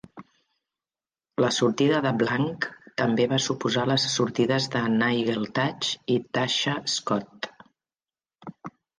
La sortida de Blank també va suposar les sortides de Nigel Thatch i Tasha Scott.